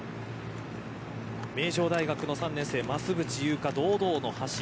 名城大学の３年生増渕祐香、堂々の走り。